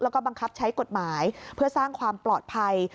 แล้วก็บังคับใช้กฎหมายเพื่อสร้างความปลอดภัย